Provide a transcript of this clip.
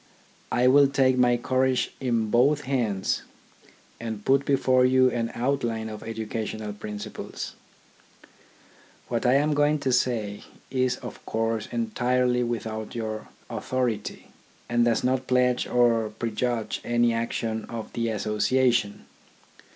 I will take my courage in both hands, and put before you an outline of educational principles. What I am going to say is of course entirely without your authority, and does not pledge or prejudge any action of the Association.